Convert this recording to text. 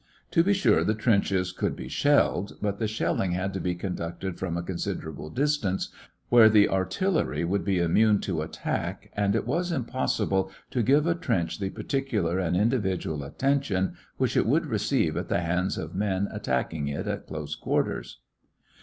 To be sure, the trenches could be shelled, but the shelling had to be conducted from a considerable distance, where the artillery would be immune to attack, and it was impossible to give a trench the particular and individual attention which it would receive at the hands of men attacking it at close quarters.